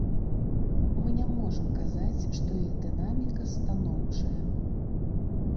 Мы не можам казаць, што іх дынаміка станоўчая.